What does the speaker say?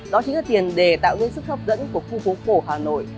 đó chính là tiền đề tạo ra sức hấp dẫn của khu phố cổ hà nội